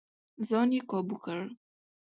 ځان يې کابو کړ.